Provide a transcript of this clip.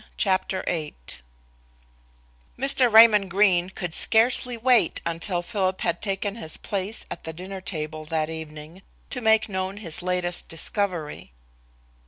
CHAPTER VIII Mr. Raymond Greene could scarcely wait until Philip had taken his place at the dinner table that evening, to make known his latest discovery.